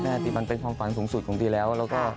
แม่ตรีมันเป็นความฝันสูงสุดของดีแล้ว